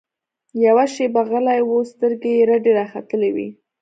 يوه شېبه غلى و سترګې يې رډې راختلې وې.